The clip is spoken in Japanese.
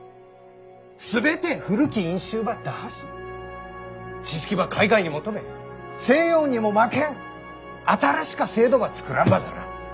全て古き因襲ば打破し知識ば海外に求め西洋にも負けん新しか制度ば作らんばならん。